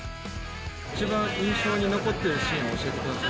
一番印象に残ってるシーンを教えてください。